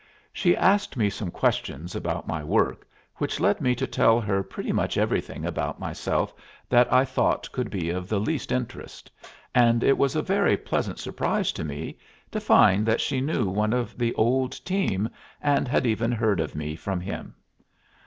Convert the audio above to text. She asked me some questions about my work, which led me to tell her pretty much everything about myself that I thought could be of the least interest; and it was a very pleasant surprise to me to find that she knew one of the old team, and had even heard of me from him.